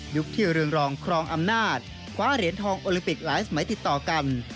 ที่เรืองรองครองอำนาจคว้าเหรียญทองโอลิมปิกหลายสมัยติดต่อกัน